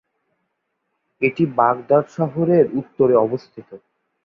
এটি বাগদাদ শহরের উত্তরে অবস্থিত।